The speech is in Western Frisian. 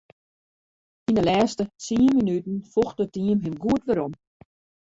Yn 'e lêste tsien minuten focht it team him goed werom.